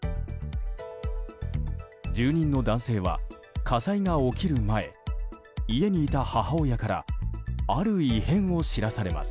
住人の男性は、火災が起きる前家にいた母親からある異変を知らされます。